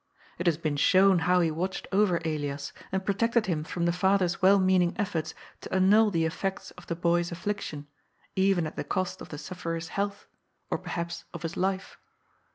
It has been shown how he watched over Ellas and protected him from the father's well meaning efforts to annul the effects of the boy's affliction, even at the cost of the sufferer's health, or perhaps of his life.